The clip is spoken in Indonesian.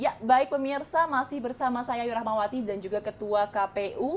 ya baik pemirsa masih bersama saya ayu rahmawati dan juga ketua kpu